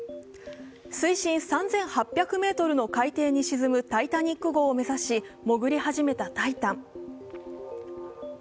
水深３８００ｍの海底に沈む「タイタニック」号を目指し潜り始めた「タイタン」。